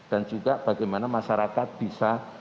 dan juga bagaimana masyarakat bisa